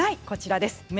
こちらです。